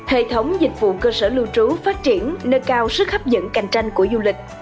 hệ thống dịch vụ cơ sở lưu trú phát triển nâng cao sức hấp dẫn cạnh tranh của du lịch